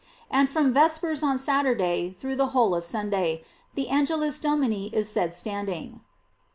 And from Vespers on Saturday, through the whole of Sunday, the Angelus Domini is said standing.